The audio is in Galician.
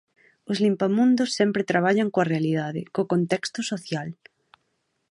Os Limpamundos sempre traballan coa realidade, co contexto social.